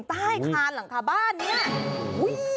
ใต้คานหลังคาบ้านเนี่ย